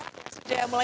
harus semangat mbak